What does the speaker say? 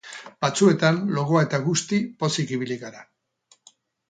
Batzuetan logoa eta guzti pozik ibili gara.